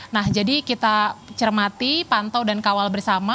nah jadi kita cermati pantau dan kawal bersama